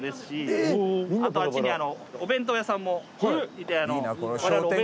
あとあっちにお弁当屋さんもいて。